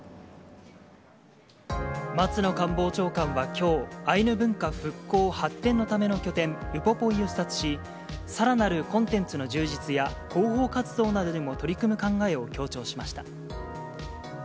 松野官房長官はきょう、アイヌ文化復興・発展のための拠点、ウポポイを視察し、さらなるコンテンツの充実や、広報活動などにも取り組む考えを強調しました。